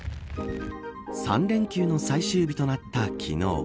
３連休の最終日となった昨日。